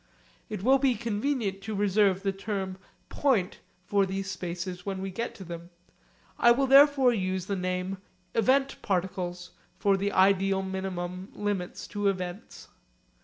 It will be convenient to reserve the term 'point' for these spaces when we get to them. I will therefore use the name 'event particles' for the ideal minimum limits to events.